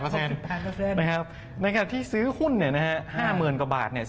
๖๘เปอร์เซ็นต์นะครับที่ซื้อหุ้น๕๐๐๐๐กว่าบาท